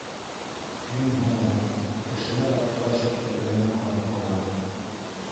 Кем һуң ул? Кешеләр аптырашып тәҙрәнән ҡарап ҡала